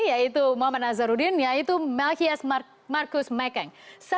yaitu muhammad nazaruddin yaitu melchias marcus mckeng